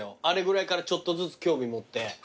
あれぐらいからちょっとずつ興味持って。